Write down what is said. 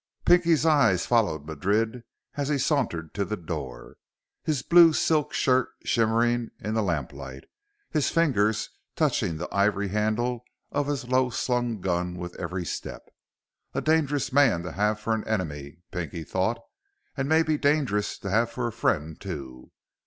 Pinky's eyes followed Madrid as he sauntered to the door, his blue silk shirt shimmering in the lamplight, his fingers touching the ivory handle of his low slung gun with every step. A dangerous man to have for an enemy, Pinky thought and maybe dangerous to have for a friend, too.